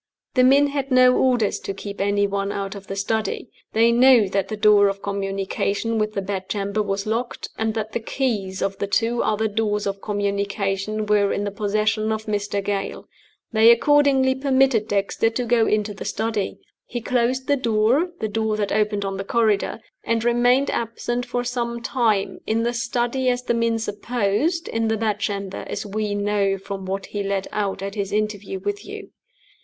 The men had no orders to keep any one out of the study. They knew that the door of communication with the bedchamber was locked, and that the keys of the two other doors of communication were in the possession of Mr. Gale. They accordingly permitted Dexter to go into the study. He closed the door (the door that opened on the corridor), and remained absent for some time in the study as the men supposed; in the bedchamber as we know from what he let out at his interview with you.